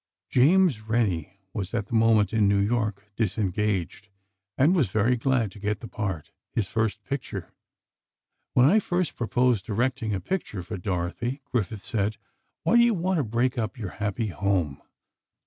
James Rennie was at the moment in New York, disengaged, and was very glad to get the part—his first picture. When I first proposed directing a picture for Dorothy, Griffith said: 'Why do you want to break up your happy home?